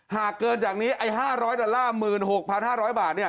หากเกินจากนี้ไอ้๕๐๐ดอลลาร์๑๖๕๐๐บาท